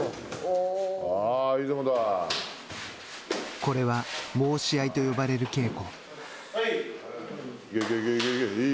これは申し合いと呼ばれる稽古。